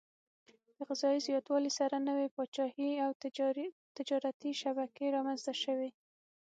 د غذايي زیاتوالي سره نوي پاچاهي او تجارتي شبکې رامنځته شوې.